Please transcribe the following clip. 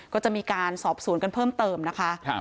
ก็จะมีการสอบสวนกันเพิ่มเติมนะคะ